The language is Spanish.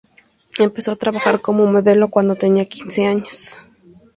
Empezó a trabajar como modelo cuando tenía quince años.